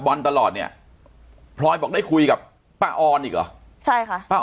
บอลตลอดเนี่ยพลอยบอกได้คุยกับป้าออนอีกเหรอใช่ค่ะป้า